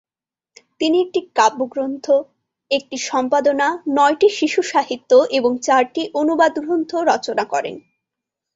তিনি একটি কাব্যগ্রন্থ, একটি সম্পাদনা, নয়টি শিশুসাহিত্য এবং চারটি অনুবাদ গ্রন্থ রচনা করেন।